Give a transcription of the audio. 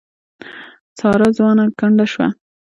ساره ځوانه کونډه شوه.